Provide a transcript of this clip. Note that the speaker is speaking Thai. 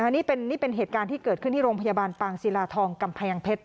นี่เป็นเหตุการณ์ที่เกิดขึ้นที่โรงพยาบาลปางศิลาทองกำแพงเพชร